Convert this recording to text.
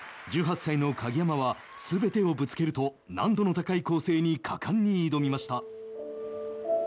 １８歳の鍵山はすべてをぶつけると難度の高い構成に果敢に挑みました。